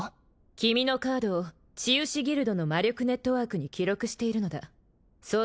君のカードを治癒士ギルドの魔力ネットワークに記録しているのだそう